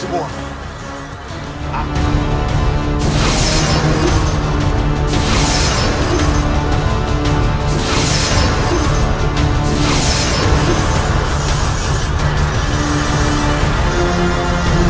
semuanya akan aku often